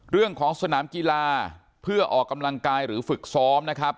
เรื่องของสนามกีฬาเพื่อออกกำลังกายหรือฝึกซ้อมนะครับ